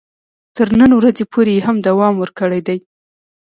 تر نن ورځې پورې یې هم دوام ورکړی دی.